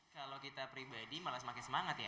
kalau kita pribadi malah semakin semangat ya